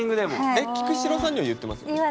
えっ菊紫郎さんには言ってますよね？